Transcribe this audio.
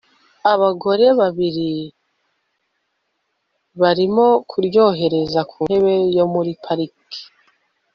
abagore babiri barimo kubyorohereza ku ntebe yo muri parike